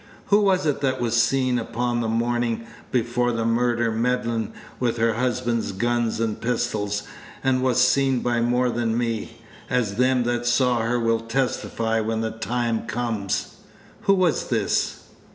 Who was it that was seen upon the mornin' before the murder meddlin' with her husband's guns and pistols, and was seen by more than me, as them that saw her will testify when the time comes? Who was this?"